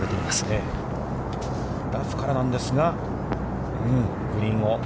ラフからなんですが、グリーンを。